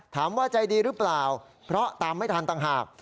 ถามว่าใจดีหรือเปล่าเพราะตามไม่ทันต่างหาก